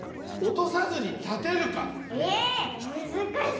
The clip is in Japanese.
えっむずかしそう。